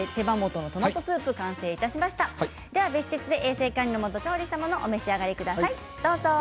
別室で衛生管理のもと調理したものをお召し上がりください。